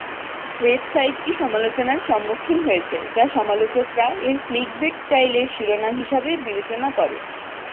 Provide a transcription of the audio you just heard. ওয়েবসাইটটি সমালোচনার সম্মুখীন হয়েছে যা সমালোচকরা এর ক্লিকবেট-স্টাইলের শিরোনাম হিসাবে বিবেচনা করে।